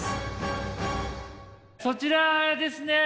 そちらですね